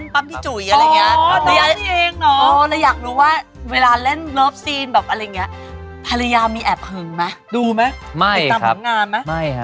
ปั๊มพี่จุ๋ยอะไรเนี่ย